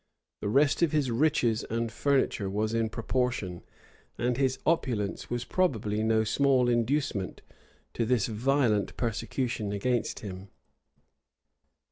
The rest of his riches and furniture was in proportion; and his opulence was probably no small inducement to this violent persecution against him.